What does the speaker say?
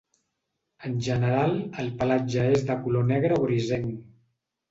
En general, el pelatge és de color negre o grisenc.